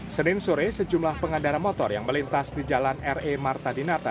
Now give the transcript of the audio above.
senin sore sejumlah pengendara motor yang melintas di jalan re marta dinata